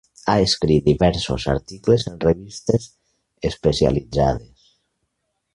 Ha escrit diversos articles en revistes especialitzades.